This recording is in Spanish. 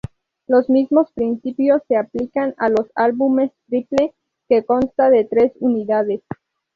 Los mismos principios se aplican a los álbumes triple, que consta de tres unidades.